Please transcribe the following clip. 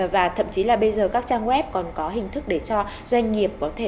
và thậm chí là bây giờ các trang web còn có hình thức để cho doanh nghiệp có thể